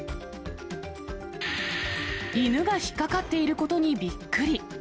犬が引っ掛かっていることにびっくり。